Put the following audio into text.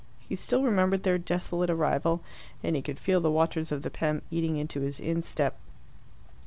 He still remembered their desolate arrival, and he could feel the waters of the Pem eating into his instep.